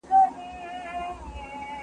ژوند بې زحمته نه دی.